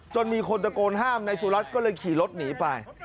มีคนตะโกนห้ามนายสุรัตน์ก็เลยขี่รถหนีไป